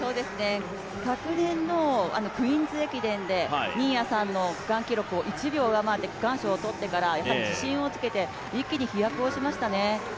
昨年のクイーンズ駅伝で新谷さんの区間記録を１秒上回って区間賞取ってから自信をつけて一気に飛躍をしましたね。